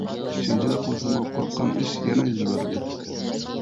شۇنچىلىك قىلسىمۇ قورققان ئىش يەنە يۈز بەردى.